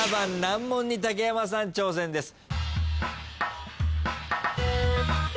難問に竹山さん挑戦です。